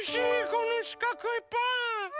このしかくいパン。